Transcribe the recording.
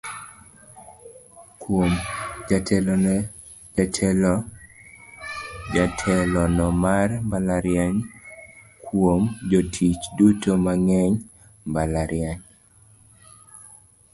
"Kuom: Jatelono mar mbalariany Kuom: Jotich duto mag mbalariany".